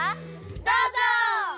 どうぞ！